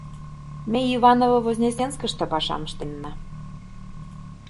Ме Иваново-Вознесенскыште пашам ыштенна...